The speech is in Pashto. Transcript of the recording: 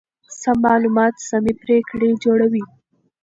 سم معلومات سمې پرېکړې جوړوي.